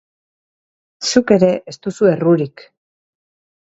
Zuk ez duzu errurik.